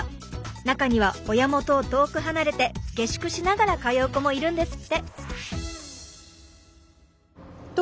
中には親元を遠く離れて下宿しながら通う子もいるんですって。